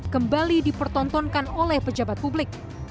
kembali dipertontonkan oleh pejabat publik